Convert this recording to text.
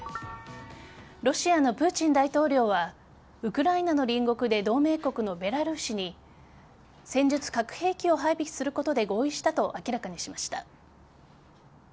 ロシアのプーチン大統領はウクライナの隣国で同盟国のベラルーシに戦術核兵器を配備することで合意したと明らかにしました。